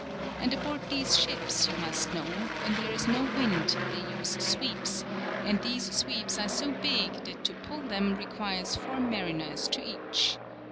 And aboard these ships, you must know, when there is no wind they use sweeps, and these sweeps are so big that to pull them requires four mariners to each.